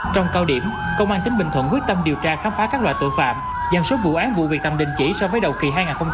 trong cao điểm công an tỉnh bình thuận quyết tâm điều tra khám phá các loại tội phạm giảm số vụ án vụ việc tầm đình chỉ so với đầu kỳ hai nghìn hai mươi ba